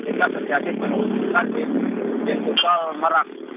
sehingga terjadi penumpukan di pintu tol merak